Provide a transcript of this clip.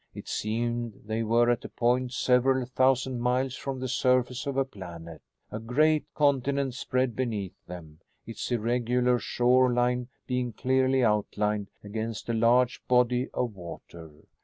It seemed they were at a point several thousand miles from the surface of a planet. A great continent spread beneath them, its irregular shore line being clearly outlined against a large body of water.